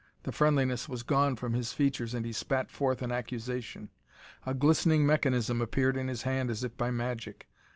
The friendliness was gone from his features and he spat forth an accusation. A glistening mechanism appeared in his hand as if by magic.